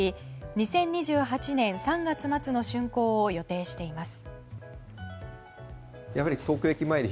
２０２８年３月末の竣工を予定しています。